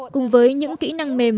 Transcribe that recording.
cùng với những kỹ năng mềm